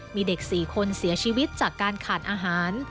มีเด็ก๔คนเสียชีวิตจากการขาดอาหาร